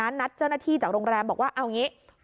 นัดเจ้าหน้าที่จากโรงแรมบอกว่าเอาอย่างนี้